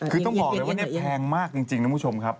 คือต้องบอกเลยว่าเนี่ยแพงมากจริงนะคุณผู้ชมครับ